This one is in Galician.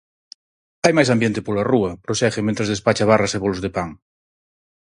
Hai máis ambiente pola rúa, prosegue mentres despacha barras e bolos de pan.